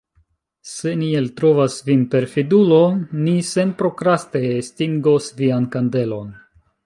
Se ni eltrovas vin perfidulo, ni senprokraste estingos vian kandelon.